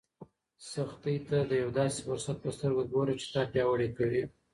سختۍ ته د یو داسې فرصت په سترګه ګوره چې تا پیاوړی کوي.